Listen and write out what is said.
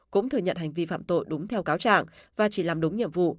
cũng thừa nhận hành vi phạm tội đúng theo cáo trạng và chỉ làm đúng nhiệm vụ